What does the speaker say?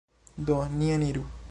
Do, ni eniru!